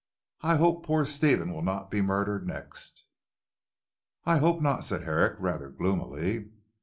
I hope poor Stephen will not be murdered next!" "I hope not," said Herrick rather gloomily.